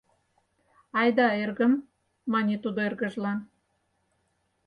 — Айда, эргым! — мане тудо эргыжлан,.